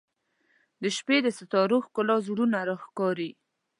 • د شپې د ستورو ښکلا زړونه راښکاري.